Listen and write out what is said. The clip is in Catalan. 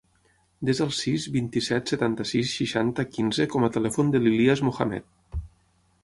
Desa el sis, vint-i-set, setanta-sis, seixanta, quinze com a telèfon de l'Ilías Mohamed.